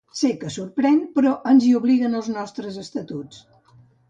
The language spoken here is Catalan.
Sé que sorprèn, però ens hi obliguen els nostres estatuts.